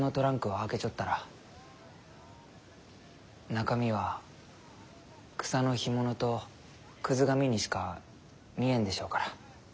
中身は草の干物とクズ紙にしか見えんでしょうから。